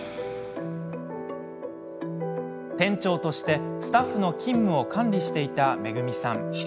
店長として、スタッフの勤務を管理していためぐみさん。